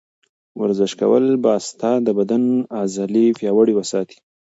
ورزش کول به ستا د بدن عضلې پیاوړې وساتي.